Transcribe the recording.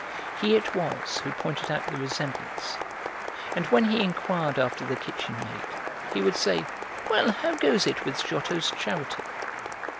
He it was who pointed out the resemblance, and when he inquired after the kitchen maid he would say: "Well, how goes it with Giotto's Charity?"